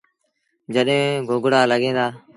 جڏهيݩ گوگڙآ لڳيٚن دآ